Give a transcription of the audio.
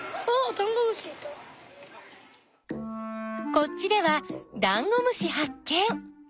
こっちではダンゴムシはっ見！